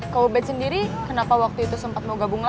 kau bet sendiri kenapa waktu itu sempet mau gabung lagi